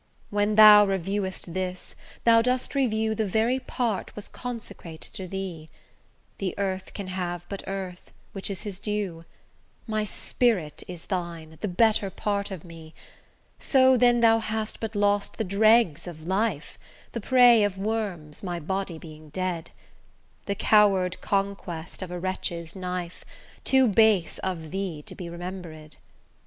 When thou reviewest this, thou dost review The very part was consecrate to thee: The earth can have but earth, which is his due; My spirit is thine, the better part of me: So then thou hast but lost the dregs of life, The prey of worms, my body being dead; The coward conquest of a wretch's knife, Too base of thee to be remembered.